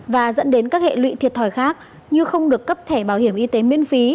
và dẫn đến các hệ lụy thiệt thòi khác như không được cấp thẻ bảo hiểm y tế miễn phí